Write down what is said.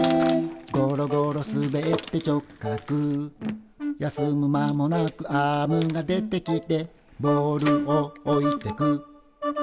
「ゴロゴロ滑って直角」「休む間もなくアームが出てきて」「ボールを置いてく」